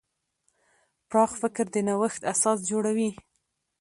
پراخ فکر د نوښت اساس جوړوي.